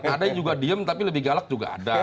ada yang juga diem tapi lebih galak juga ada